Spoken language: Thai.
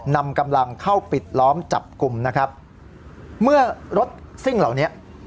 นำกำลังเข้าปิดล้อมจับกลุ่มนะครับเมื่อรถซิ่งเหล่านี้